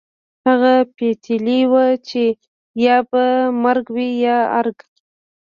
هغه پتېيلې وه چې يا به مرګ وي يا ارګ.